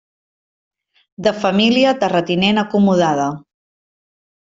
De família terratinent acomodada.